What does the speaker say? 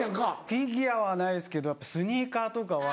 フィギュアはないですけどスニーカーとかは。